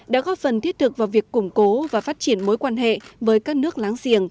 đã góp phần thiết thực vào việc củng cố và phát triển mối quan hệ với các nước láng giềng